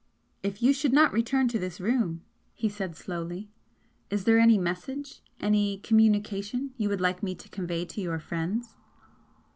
"If you should not return to this room," he said, slowly "is there any message any communication you would like me to convey to your friends?"